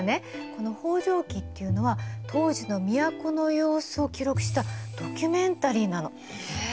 この「方丈記」っていうのは当時の都の様子を記録したドキュメンタリーなの。え！